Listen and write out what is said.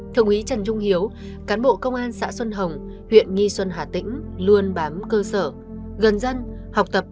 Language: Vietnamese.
thượng úy trần trung hiếu cán bộ công an xã xuân hồng huyện nghi xuân hà tĩnh luôn bám cơ sở gần dân học tập